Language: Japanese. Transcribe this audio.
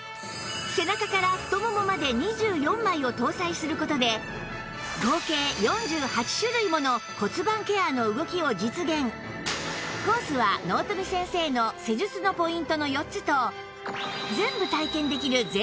背中から太ももまで２４枚を搭載する事で合計コースは納富先生の施術のポイントの４つと